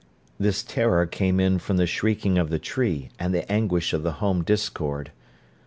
This terror came in from the shrieking of the tree and the anguish of the home discord.